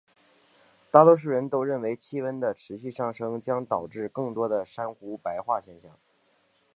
大多数人都认为气温的持续上升将导致更多的珊瑚白化现象。